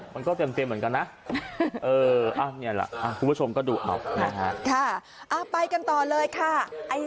มันก็เต็มเหมือนกันนะเออคุณผู้ชมก็ดูเอา